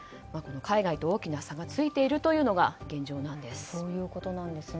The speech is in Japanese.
海外と大きな差がついているというのが現状です。